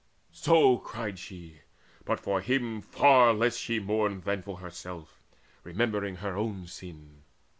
So cried she: but for him far less she mourned Than for herself, remembering her own sin.